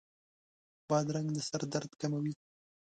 بادرنګ د سر درد کموي.